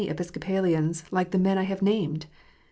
Episcopalians like the men I have named.